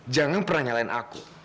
jangan pernah nyalain aku